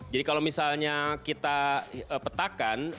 jadi kalau misalnya kita petakan